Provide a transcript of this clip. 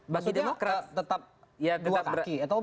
maksudnya tetap dua kaki atau bagaimana sih